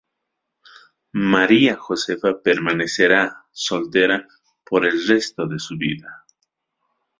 María Josefa permanecerá soltera por el resto de su vida.